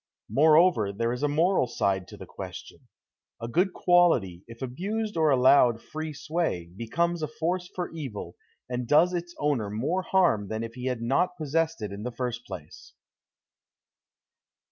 Moreover, there is a moral side to the question. A good quality, if abused or allowed free sway, becomes a force for evil and does its owner more harm than if he had not possessed it in the first place.